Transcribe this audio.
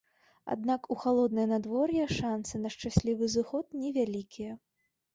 Аднак у халоднае надвор'е шансы на шчаслівы зыход невялікія.